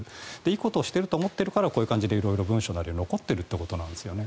いいことをしていると思っているからこういう感じで色々と文書なりが残っているということなんですよね。